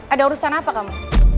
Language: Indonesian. ada urusan apa kamu